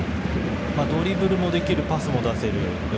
ドリブルもできるパスも出せる。